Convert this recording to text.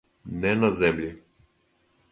Не на земљи.